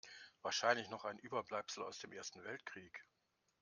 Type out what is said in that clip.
Wahrscheinlich noch ein Überbleibsel aus dem Ersten Weltkrieg.